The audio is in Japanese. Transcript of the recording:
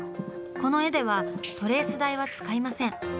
この絵ではトレース台は使いません。